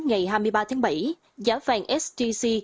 ngày hai mươi ba tháng bảy giá vàng sjc